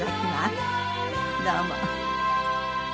どうも。